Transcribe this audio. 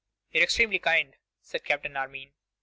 'You are extremely kind,' said Captain Armine.